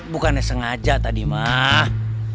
bukan saya sengaja tadi pak